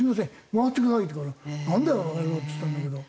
回ってください」って言うから「なんだよバカ野郎」っつったんだけど。